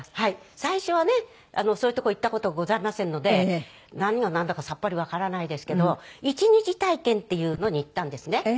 最初はねそういうとこ行った事ございませんので何がなんだかさっぱりわからないですけど１日体験っていうのに行ったんですね。